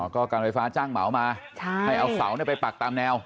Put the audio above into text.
ก็การไฟฟ้าจ้างเหมามาให้เอาเสาไปปักตามแนว